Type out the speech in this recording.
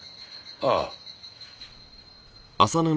ああ。